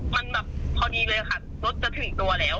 มันแบบพอดีเลยค่ะรถจะถึงตัวแล้ว